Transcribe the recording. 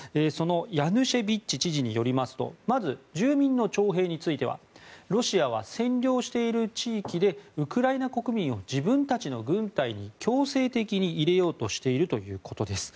ヤヌシェビッチ知事によりますとまず住民の徴兵についてはロシアは占領している地域でウクライナ国民を自分たちの軍隊に強制的に入れようとしているということです。